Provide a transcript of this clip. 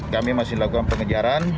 kami masih melakukan pengejaran